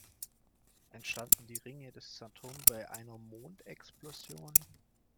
Entstanden die Ringe des Saturn bei einer Mondexplosion?